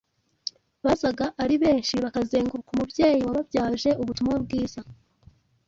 bazaga ari benshi bakazenguruka umubyeyi wababyaje ubutumwa bwiza,